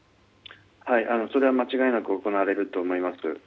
それは間違いなく行われると思います。